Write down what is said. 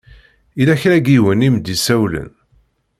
Yella kra n yiwen i m-d-isawlen.